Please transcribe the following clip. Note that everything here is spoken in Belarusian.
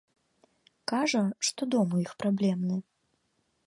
Кажа, што дом у іх праблемны.